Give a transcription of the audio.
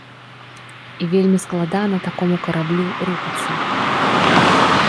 І вельмі складана такому караблю рухацца.